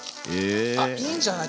あっいいんじゃない？